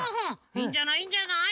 いいんじゃないいいんじゃない！